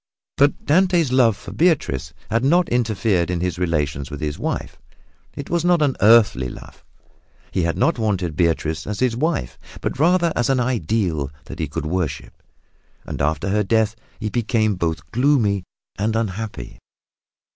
But Dante's love for Beatrice had not interfered in his relations with his wife. It was not an earthly love. He had not wanted Beatrice as his wife, but rather as an ideal that he could worship. And after her death he became both gloomy and unhappy.